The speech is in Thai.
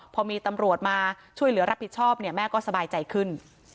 พอมีตำรวจมาช่วยเหลือรับผิดชอบเนี่ยแม่ก็สบายใจขึ้น